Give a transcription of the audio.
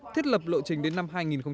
thiết lập lộ trình đến năm hai nghìn hai mươi